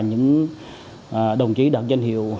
những đồng chí đạt danh hiệu